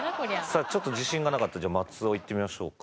さあちょっと自信がなかった松尾いってみましょうか。